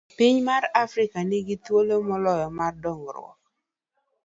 A. Piny mar Afrika ni gi thuolo moloyo mar dongruok.